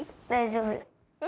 大丈夫。